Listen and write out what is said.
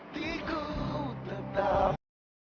bisa lah hatiku tetap